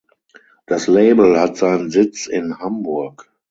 Das Label hat seinen Sitz in Hamburg.